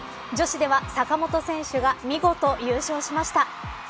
女子では坂元選手が見事、優勝しました。